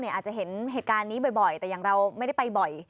อาจจะเห็นเหตุการณ์นี้บ่อยแต่อย่างเราไม่ได้ไปบ่อย